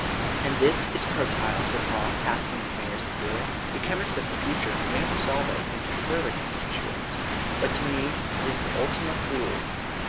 "And this is protyle," said Haw, passing his fingers through it. "The chemist of the future may resolve it into further constituents, but to me it is the Ultima Thule."